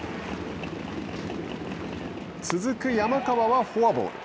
続く山川はフォアボール。